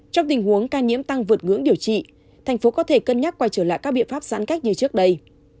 trong tình huống ca nhiễm tăng vượt ngưỡng điều trị thành phố có thể cân nhắc quay trở lại các biện pháp giãn cách như trước đây